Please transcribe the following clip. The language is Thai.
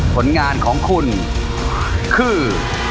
ผลงานของคุณคือ